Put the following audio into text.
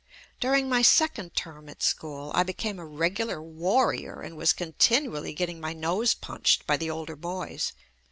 During my second term at school, I became a regular warrior and was continually getting my nose punched by the older boys.